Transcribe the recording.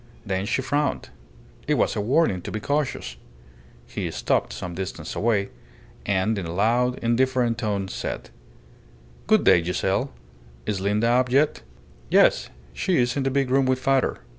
Then she frowned. It was a warning to be cautious. He stopped some distance away, and in a loud, indifferent tone, said "Good day, Giselle. Is Linda up yet?" "Yes. She is in the big room with father."